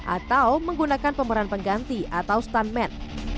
atau menggunakan pemeran pengganti atau stuntman